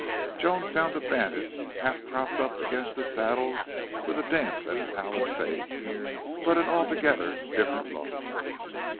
Joan found the bandit half propped up against a saddle with a damp and pallid face, but an altogether different look.